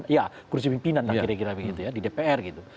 ya kursi pimpinan lah kira kira begitu ya di dpr gitu